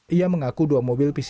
ia mengaku dua mobil pcr